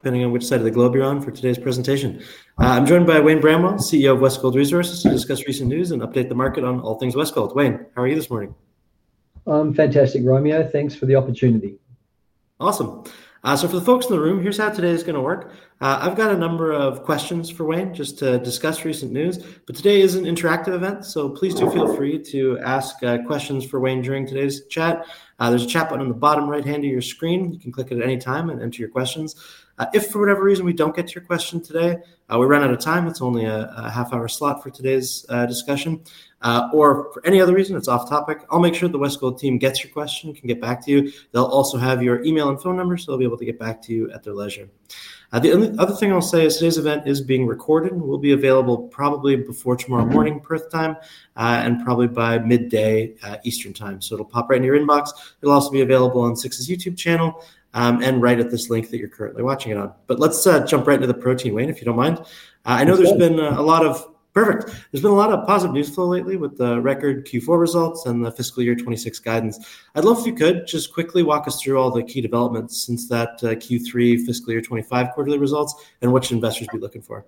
Depending on which side of the globe you're on for today's presentation, I'm joined by Wayne Bramwell, CEO of Westgold Resources, to Discuss Recent News and Update the Market on all things Westgold. Wayne, how are you this morning? Fantastic, Romeo. Thanks for the opportunity. Awesome. For the folks in the room, here's how today is going to work. I've got a number of questions for Wayne just to discuss recent news. Today is an interactive event, so please do feel free to ask questions for Wayne during today's chat. There's a chat button on the bottom right-hand of your screen. You can click it at any time and enter your questions. If for whatever reason we don't get to your question today, we run out of time, it's only a half-hour slot for today's discussion, or for any other reason it's off-topic, I'll make sure the Westgold team gets your question and can get back to you. They'll also have your email and phone number, so they'll be able to get back to you at their leisure. The only other thing I'll say is today's event is being recorded. We'll be available probably before tomorrow morning, Perth time, and probably by midday Eastern time. It'll pop right in your inbox. It'll also be available on 6's YouTube channel and right at this link that you're currently watching it on. Let's jump right into the protein, Wayne, if you don't mind. I know there's been a lot of positive news flow lately with the record Q4 results and the fiscal year 2026 guidance. I'd love if you could just quickly walk us through all the key developments since that Q3 fiscal year 2025 quarterly results and what should investors be looking for?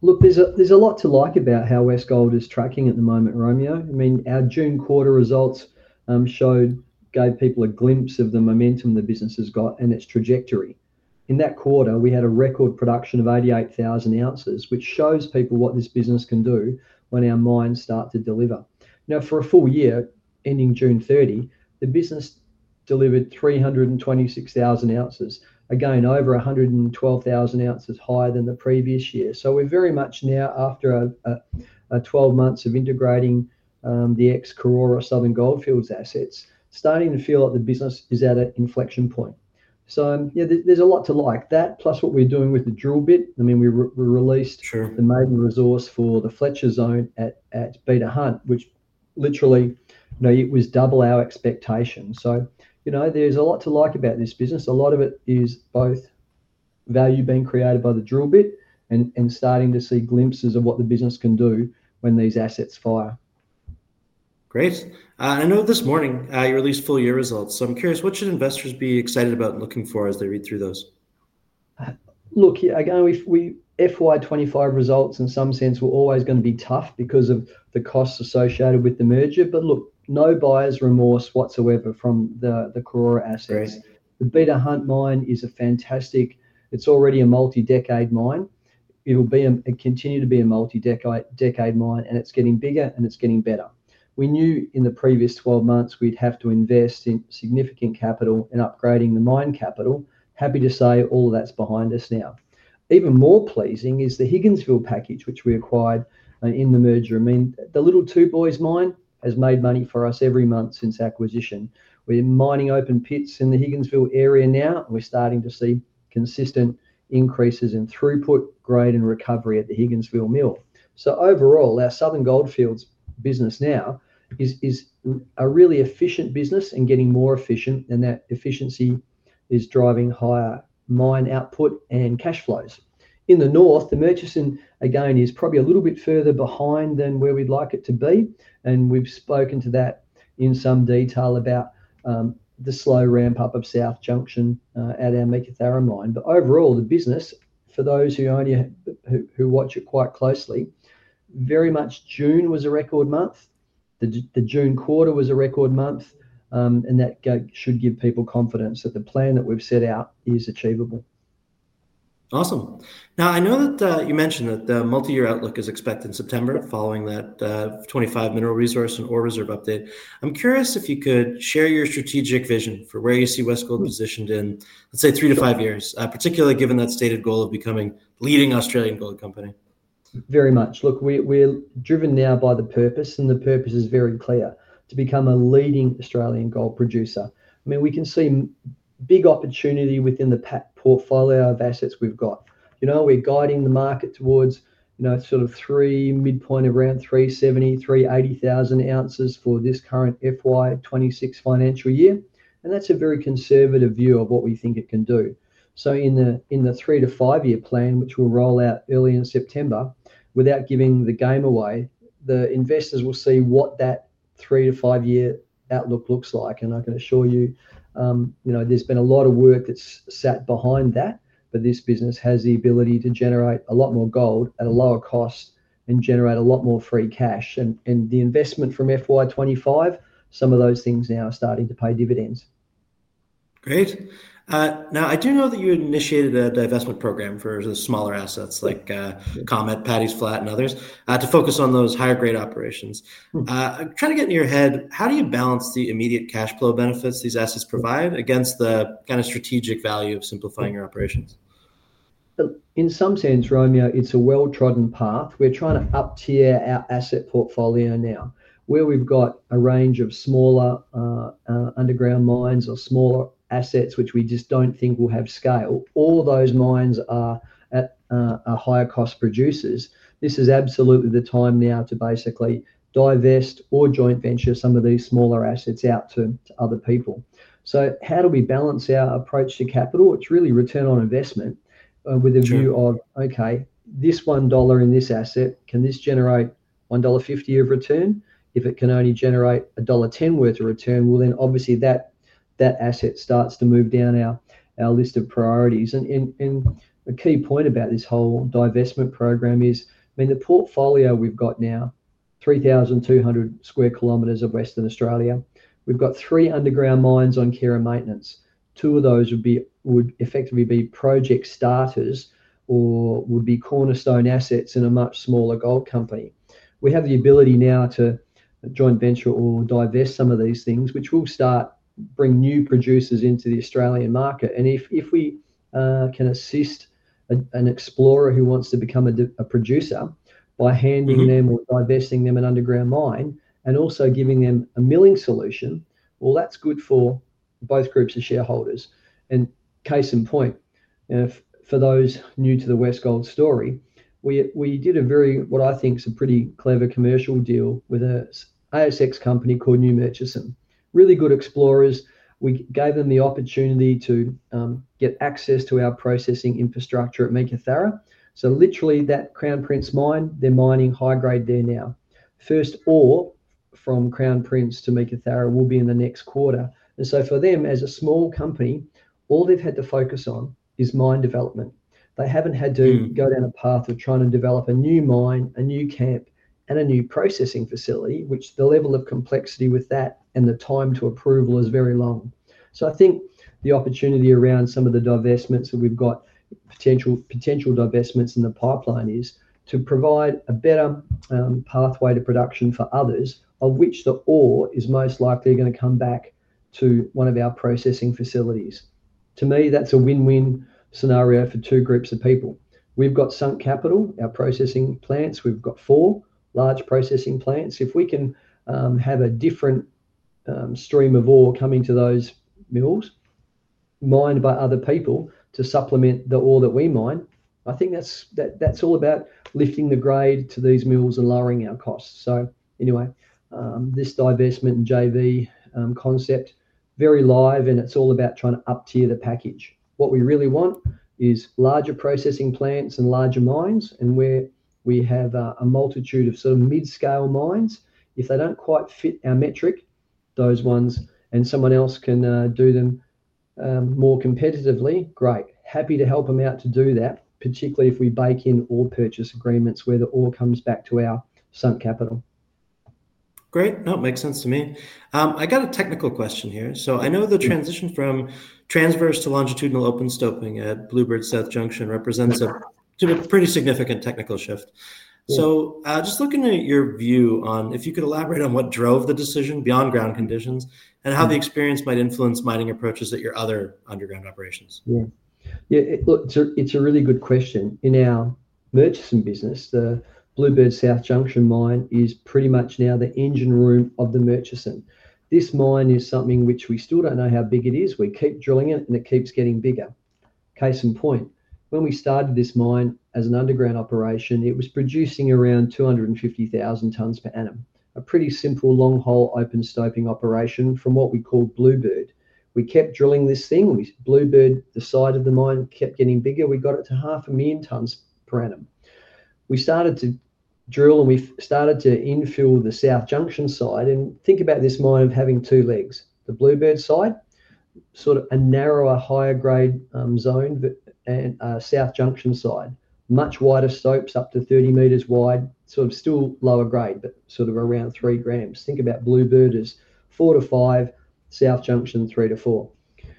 Look, there's a lot to like about how Westgold Resources is tracking at the moment, Romeo. I mean, our June quarter results showed, gave people a glimpse of the momentum the business has got and its trajectory. In that quarter, we had a record production of 88,000 oz, which shows people what this business can do when our mines start to deliver. Now, for a full year, ending June 30, the business delivered 326,000 oz, again, over 112,000 oz higher than the previous year. We're very much now, after 12 months of integrating the ex-Karora Southern Goldfields assets, starting to feel like the business is at an inflection point. There's a lot to like. That plus what we're doing with the drill bit. I mean, we released the main resource for the Fletcher zone at Beta Hunt, which literally, you know, it was double our expectation. There's a lot to like about this business. A lot of it is both value being created by the drill bit and starting to see glimpses of what the business can do when these assets fire. Great. I know this morning you released full-year results. I'm curious, what should investors be excited about and looking for as they read through those? Look, again, FY 2025 results in some sense were always going to be tough because of the costs associated with the merger. No buyer's remorse whatsoever from the Karora assets. The Beta Hunt mine is a fantastic, it's already a multi-decade mine. It will continue to be a multi-decade mine, and it's getting bigger, and it's getting better. We knew in the previous 12 months we'd have to invest significant capital in upgrading the mine capital. Happy to say all of that's behind us now. Even more pleasing is the Higginsville package, which we acquired in the merger. I mean, the little Two Boys mine has made money for us every month since acquisition. We're mining open pits in the Higginsville area now, and we're starting to see consistent increases in throughput, grade, and recovery at the Higginsville mill. Overall, our Southern Goldfields business now is a really efficient business and getting more efficient, and that efficiency is driving higher mine output and cash flows. In the north, the Murchison, again, is probably a little bit further behind than where we'd like it to be. We've spoken to that in some detail about the slow ramp-up of South Junction at our Meekatharra mine. Overall, the business, for those who watch it quite closely, very much June was a record month. The June quarter was a record month, and that should give people confidence that the plan that we've set out is achievable. Awesome. Now, I know that you mentioned that the multi-year outlook is expected in September following that 2025 mineral resource and ore reserve update. I'm curious if you could share your strategic vision for where you see Westgold positioned in, let's say, three to five years, particularly given that stated goal of becoming a leading Australian gold company. very much. Look, we're driven now by the purpose, and the purpose is very clear: to become a leading Australian gold producer. I mean, we can see big opportunity within the portfolio of assets we've got. We're guiding the market towards a midpoint around 370,000 oz, 380,000 oz for this current FY 2026 financial year. That's a very conservative view of what we think it can do. In the three to five-year plan, which we'll roll out early in September, without giving the game away, the investors will see what that three to five-year outlook looks like. I can assure you there's been a lot of work that's sat behind that. This business has the ability to generate a lot more gold at a lower cost and generate a lot more free cash. The investment from FY 2025, some of those things now are starting to pay dividends. Great. Now, I do know that you initiated a divestment program for the smaller assets like Comet, Paddy’s Flat, and others to focus on those higher-grade operations. I'm kind of getting in your head, how do you balance the immediate cash flow benefits these assets provide against the kind of strategic value of simplifying your operations? In some sense, Romeo, it's a well-trodden path. We're trying to up-tier our asset portfolio now. Where we've got a range of smaller underground mines or smaller assets, which we just don't think will have scale, all those mines are at higher-cost producers. This is absolutely the time now to basically divest or joint venture some of these smaller assets out to other people. How do we balance our approach to capital? It's really return on investment with a view of, OK, this $1 in this asset, can this generate $1.50 of return? If it can only generate $1.10 worth of return, then obviously that asset starts to move down our list of priorities. A key point about this whole divestment program is, I mean, the portfolio we've got now, 3,200 sq km of Western Australia, we've got three underground mines on care and maintenance. Two of those would effectively be project starters or would be cornerstone assets in a much smaller gold company. We have the ability now to joint venture or divest some of these things, which will start bringing new producers into the Australian market. If we can assist an explorer who wants to become a producer by handing them or divesting them an underground mine and also giving them a milling solution, that's good for both groups of shareholders. Case in point, you know, for those new to the Westgold story, we did a very, what I think is a pretty clever commercial deal with an ASX company called New Murchison. Really good explorers. We gave them the opportunity to get access to our processing infrastructure at Meekatharra. Literally, that Crown Prince mine, they're mining high-grade there now. First ore from Crown Prince to Meekatharra will be in the next quarter. For them, as a small company, all they've had to focus on is mine development. They haven't had to go down a path of trying to develop a new mine, a new camp, and a new processing facility, which the level of complexity with that and the time to approval is very long. I think the opportunity around some of the divestments that we've got, potential divestments in the pipeline, is to provide a better pathway to production for others of which the ore is most likely going to come back to one of our processing facilities. To me, that's a win-win scenario for two groups of people. We've got sunk capital, our processing plants. We've got four large processing plants. If we can have a different stream of ore coming to those mills mined by other people to supplement the ore that we mine, I think that's all about lifting the grade to these mills and lowering our costs. This divestment and joint venture concept is very live, and it's all about trying to up-tier the package. What we really want is larger processing plants and larger mines. We have a multitude of sort of mid-scale mines. If they don't quite fit our metric, those ones, and someone else can do them more competitively, great. Happy to help them out to do that, particularly if we bake in ore purchase agreements where the ore comes back to our sunk capital. Great. No, it makes sense to me. I got a technical question here. I know the transition from transverse to longitudinal open stoping at Bluebird South Junction represents a pretty significant technical shift. Just looking at your view on if you could elaborate on what drove the decision beyond ground conditions and how the experience might influence mining approaches at your other underground operations. Yeah, it's a really good question. In our Murchison business, the Bluebird South Junction mine is pretty much now the engine room of the Murchison. This mine is something which we still don't know how big it is. We keep drilling it, and it keeps getting bigger. Case in point, when we started this mine as an underground operation, it was producing around 250,000 tons per annum, a pretty simple longitudinal open stoping operation from what we called Bluebird. We kept drilling this thing. Bluebird, the side of the mine, kept getting bigger. We got it to 500,000 tons per annum. We started to drill, and we started to infill the South Junction side. Think about this mine as having two legs, the Bluebird side, sort of a narrower, higher-grade zone, and South Junction side, much wider stopes up to 30 m wide, still lower grade, but sort of around 3 g. Think about Bluebird as 4 m-5 m, South Junction 3 m-4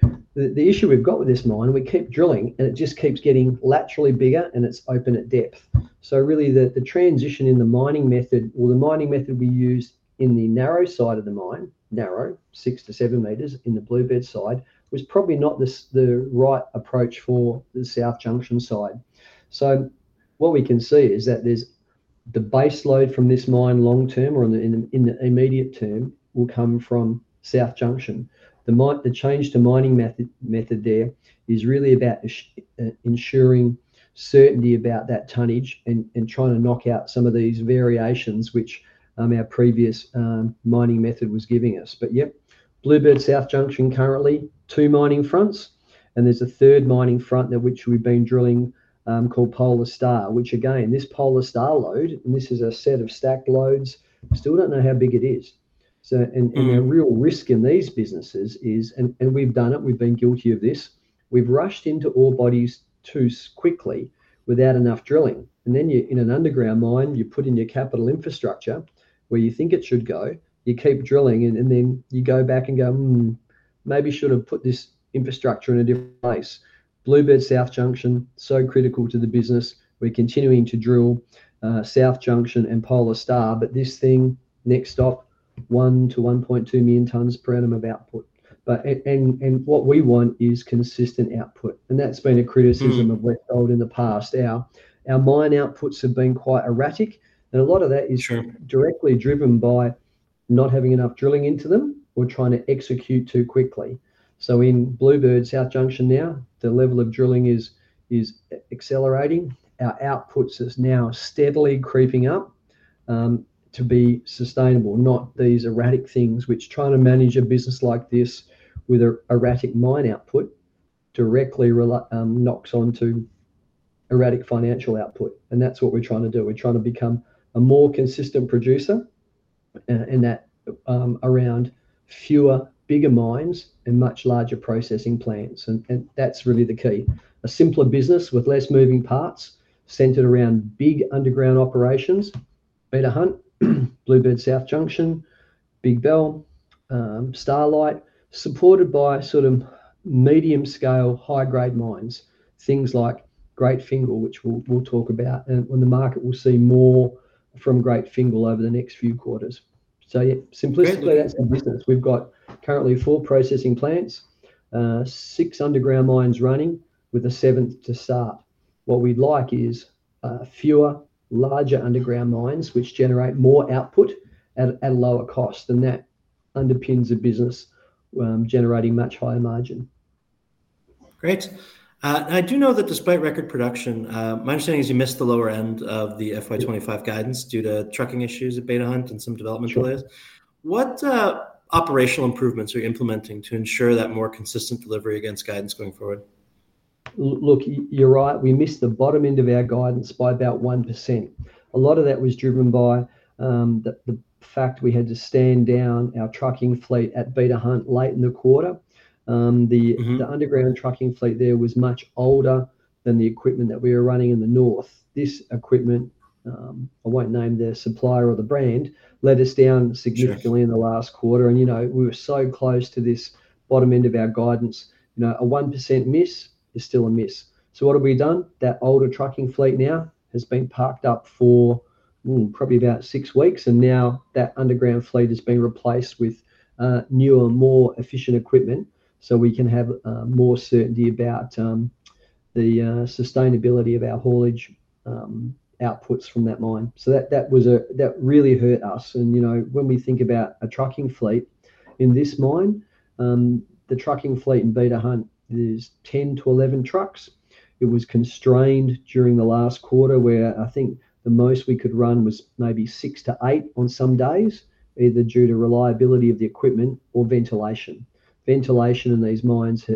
m. The issue we've got with this mine, we keep drilling, and it just keeps getting laterally bigger, and it's open at depth. The transition in the mining method, the mining method we used in the narrow side of the mine, narrow, 6 m-7 m in the Bluebird side, was probably not the right approach for the South Junction side. What we can see is that the base load from this mine long-term or in the immediate term will come from South Junction. The change to mining method there is really about ensuring certainty about that tonnage and trying to knock out some of these variations which our previous mining method was giving us. Bluebird South Junction currently, two mining fronts. There's a third mining front which we've been drilling called Polar Star, which again, this Polar Star lode, and this is a set of stacked lodes, still don't know how big it is. The real risk in these businesses is, and we've done it, we've been guilty of this, we've rushed into ore bodies too quickly without enough drilling. In an underground mine, you put in your capital infrastructure where you think it should go, you keep drilling, and then you go back and go, maybe should have put this infrastructure in a different place. Bluebird South Junction, so critical to the business. We're continuing to drill South Junction and Polar Star, but this thing, next stop, 1 million tons-1.2 million tons per annum of output. What we want is consistent output. That's been a criticism of Westgold Resources in the past. Our mine outputs have been quite erratic, and a lot of that is directly driven by not having enough drilling into them or trying to execute too quickly. In Bluebird South Junction now, the level of drilling is accelerating. Our outputs are now steadily creeping up to be sustainable, not these erratic things, which trying to manage a business like this with an erratic mine output directly knocks onto erratic financial output. That's what we're trying to do. We're trying to become a more consistent producer around fewer, bigger mines and much larger processing plants. That's really the key. A simpler business with less moving parts centered around big underground operations, Beta Hunt, Bluebird South Junction, Big Bell, Starlight, supported by sort of medium-scale, high-grade mines, things like Great Fingal, which we'll talk about when the market will see more from Great Fingal over the next few quarters. Simplistically, that's the business. We've got currently four processing plants, six underground mines running with a seventh to start. What we'd like is fewer, larger underground mines which generate more output at a lower cost. That underpins a business generating much higher margin. Great. I do know that despite record production, my understanding is you missed the lower end of the FY 2025 guidance due to trucking issues at Beta Hunt and some development delays. What operational improvements are you implementing to ensure that more consistent delivery against guidance going forward? Look, you're right. We missed the bottom end of our guidance by about 1%. A lot of that was driven by the fact we had to stand down our trucking fleet at Beta Hunt late in the quarter. The underground trucking fleet there was much older than the equipment that we were running in the north. This equipment, I won't name their supplier or the brand, let us down significantly in the last quarter. We were so close to this bottom end of our guidance. A 1% miss is still a miss. What have we done? That older trucking fleet now has been parked up for probably about six weeks. Now that underground fleet is being replaced with newer, more efficient equipment so we can have more certainty about the sustainability of our haulage outputs from that mine. That really hurt us. When we think about a trucking fleet in this mine, the trucking fleet in Beta Hunt is 10 to 11 trucks. It was constrained during the last quarter where I think the most we could run was maybe six to eight on some days, either due to reliability of the equipment or ventilation. Ventilation in these mines,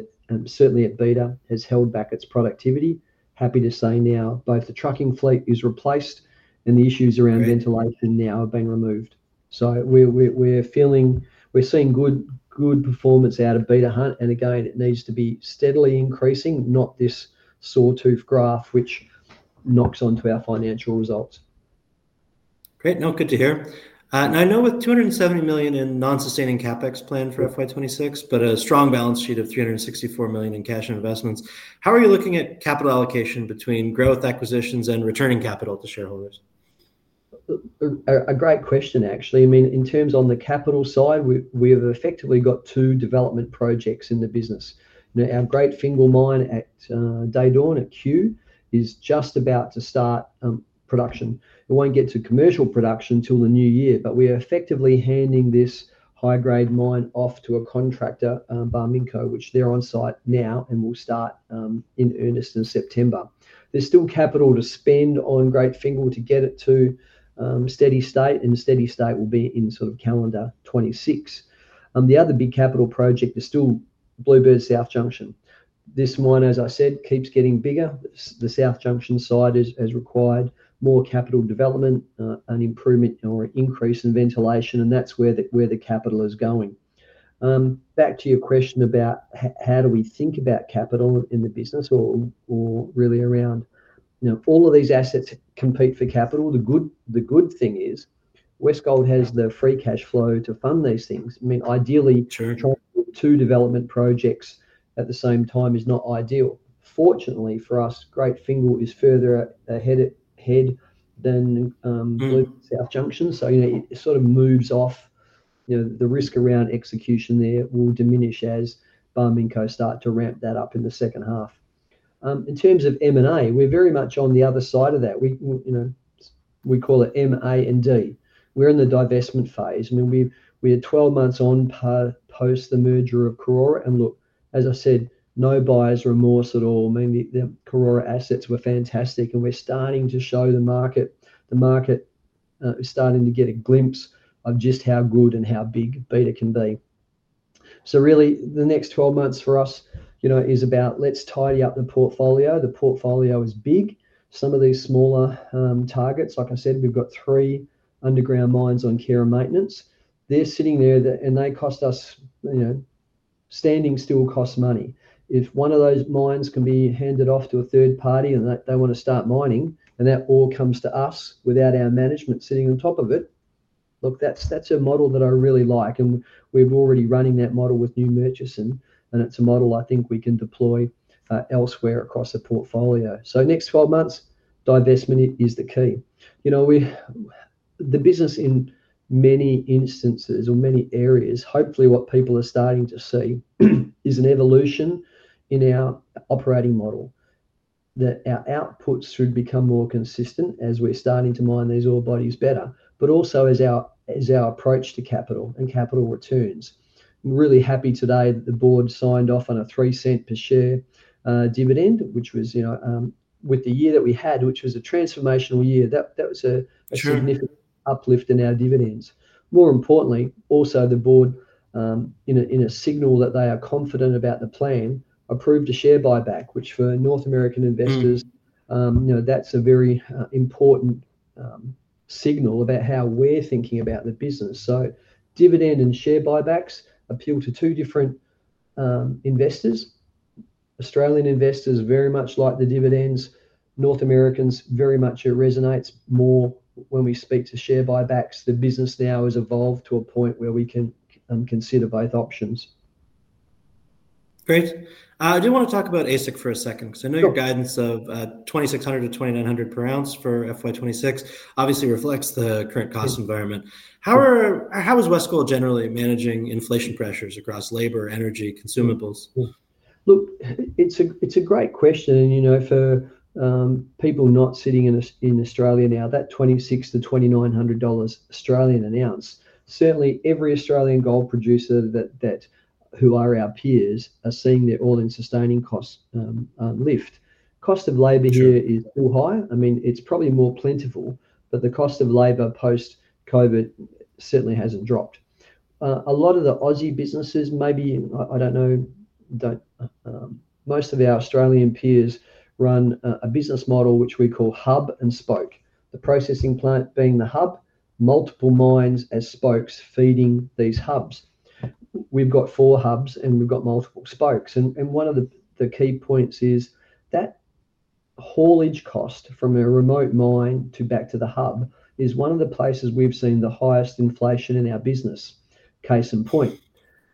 certainly at Beta, has held back its productivity. Happy to say now both the trucking fleet is replaced and the issues around ventilation now are being removed. We're feeling we're seeing good performance out of Beta Hunt. It needs to be steadily increasing, not this sawtooth graph which knocks onto our financial results. Great. Good to hear. I know with $270 million in non-sustaining CapEx planned for FY 2026, but a strong balance sheet of $364 million in cash and investments, how are you looking at capital allocation between growth acquisitions and returning capital to shareholders? A great question, actually. I mean, in terms on the capital side, we have effectively got two development projects in the business. Our Great Fingal mine at Daydawn at Q is just about to start production. It won't get to commercial production until the new year, but we are effectively handing this high-grade mine off to a contractor, Barminco, which they're on site now and will start in earnest in September. There's still capital to spend on Great Fingal to get it to steady state, and steady state will be in sort of calendar 2026. The other big capital project is still Bluebird South Junction. This mine, as I said, keeps getting bigger. The South Junction side has required more capital development, an improvement or increase in ventilation, and that's where the capital is going. Back to your question about how do we think about capital in the business or really around, you know, all of these assets compete for capital. The good thing is Westgold Resources has the free cash flow to fund these things. I mean, ideally, two development projects at the same time is not ideal. Fortunately for us, Great Fingal is further ahead than Bluebird South Junction. It sort of moves off. You know, the risk around execution there will diminish as Barminco starts to ramp that up in the second half. In terms of M&A, we're very much on the other side of that. We call it M, A, and D. We're in the divestment phase. We're 12 months on post the merger of Karora. As I said, no buyer's remorse at all. The Karora assets were fantastic, and we're starting to show the market. The market is starting to get a glimpse of just how good and how big Beta can be. The next 12 months for us is about let's tidy up the portfolio. The portfolio is big. Some of these smaller targets, like I said, we've got three underground mines on care and maintenance. They're sitting there, and they cost us, you know, standing still costs money. If one of those mines can be handed off to a third party and they want to start mining, and that ore comes to us without our management sitting on top of it, that's a model that I really like. We're already running that model with New Murchison, and it's a model I think we can deploy elsewhere across the portfolio. Next 12 months, divestment is the key. You know, the business in many instances or many areas, hopefully what people are starting to see is an evolution in our operating model, that our outputs should become more consistent as we're starting to mine these ore bodies better, but also as our approach to capital and capital returns. I'm really happy today that the board signed off on a $0.03 per share dividend, which was, you know, with the year that we had, which was a transformational year, that was a significant uplift in our dividends. More importantly, also the board, in a signal that they are confident about the plan, approved a share buyback, which for North American investors, you know, that's a very important signal about how we're thinking about the business. Dividend and share buybacks appeal to two different investors. Australian investors very much like the dividends. North Americans very much resonate more when we speak to share buybacks. The business now has evolved to a point where we can consider both options. Great. I do want to talk about ASIC for a second because I know your guidance of $2,600 to $2,900 per ounce for FY 2026 obviously reflects the current cost environment. How is Westgold generally managing inflation pressures across labor, energy, consumables? Look, it's a great question. For people not sitting in Australia now, that $2,600 to $2,900 Australian an ounce, certainly every Australian gold producer who are our peers are seeing their all-in sustaining costs lift. Cost of labor here is still high. It's probably more plentiful, but the cost of labor post-COVID certainly hasn't dropped. A lot of the Aussie businesses, maybe, I don't know, most of our Australian peers run a business model which we call hub and spoke, the processing plant being the hub, multiple mines as spokes feeding these hubs. We've got four hubs, and we've got multiple spokes. One of the key points is that haulage cost from a remote mine back to the hub is one of the places we've seen the highest inflation in our business. Case in point,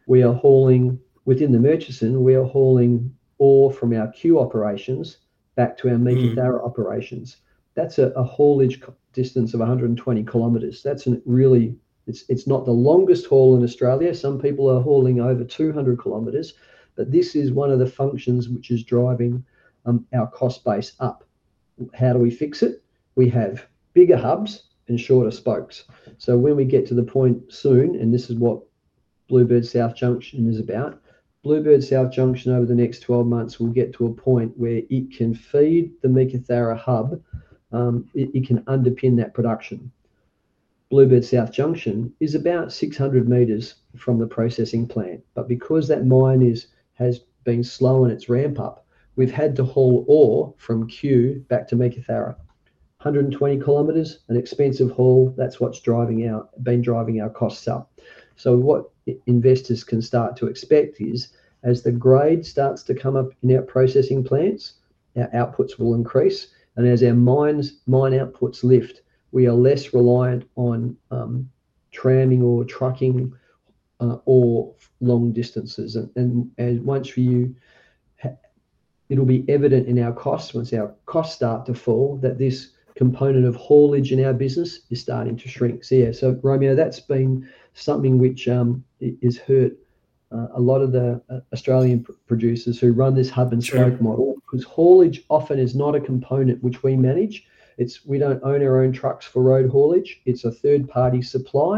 we are hauling within the Murchison, we are hauling ore from our Cue operations back to our Meekatharra operations. That's a haulage distance of 120 km. It's not the longest haul in Australia. Some people are hauling over 200 km, but this is one of the functions which is driving our cost base up. How do we fix it? We have bigger hubs and shorter spokes. When we get to the point soon, and this is what Bluebird South Junction is about, Bluebird South Junction over the next 12 months will get to a point where it can feed the Meekatharra hub. It can underpin that production. Bluebird South Junction is about 600 m from the processing plant. Because that mine has been slow in its ramp-up, we've had to haul ore from Cue back to Meekatharra. 120 km, an expensive haul, that's what's been driving our costs up. What investors can start to expect is as the grade starts to come up in our processing plants, our outputs will increase. As our mine outputs lift, we are less reliant on tramming or trucking or long distances. Once for you, it'll be evident in our costs once our costs start to fall that this component of haulage in our business is starting to shrink. Romeo, that's been something which has hurt a lot of the Australian producers who run this hub and spoke model, because haulage often is not a component which we manage. We don't own our own trucks for road haulage. It's a third-party supplier.